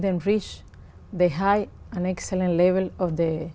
bởi vì khi fidel đi đến quan chi